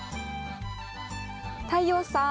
太陽さん。